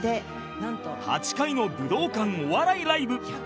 ８回の武道館お笑いライブ